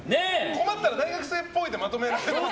困ったら大学生っぽいでまとめられる。